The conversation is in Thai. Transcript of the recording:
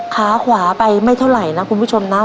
ขาขวาไปไม่เท่าไหร่นะคุณผู้ชมนะ